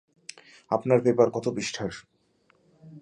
আপনার পেপার কত পৃষ্ঠার?